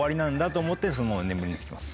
と思ってそのまま眠りにつきます。